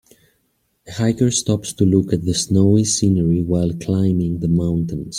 A hiker stops to look at the snowy scenery while climbing the mountains.